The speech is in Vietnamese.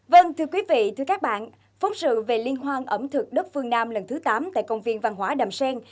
vâng thưa quý vị thưa các bạn phóng sự về liên hoan ẩm thực đất phương nam lần thứ tám tại công viên văn hóa đàm sen